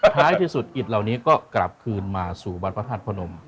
ใช่ที่สุดอิตฯเหล่านี้ก็กลับคืนมาสู่บรรพศาสตร์พระนม